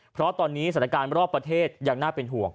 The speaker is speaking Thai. เพราะตอนนี้สถานการณ์รอบประเทศยังน่าเป็นห่วง